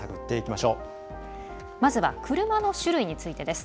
まずは車の種類についてです。